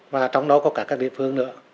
và trong đó có cả các địa phương nữa